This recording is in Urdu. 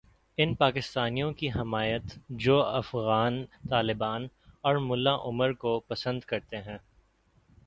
ان پاکستانیوں کی حمایت جوافغان طالبان اور ملا عمر کو پسند کرتے ہیں۔